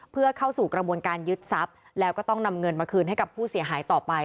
เพื่อเข้าสู่กระบวนการยึดทรัพย์แล้วก็ต้องนำเงินมาคืนให้กับผู้เสียหายต่อไป